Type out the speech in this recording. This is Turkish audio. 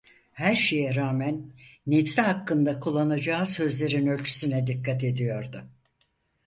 Her şeye rağmen, nefsi hakkında kullanacağı sözlerin ölçüsüne dikkat ediyordu.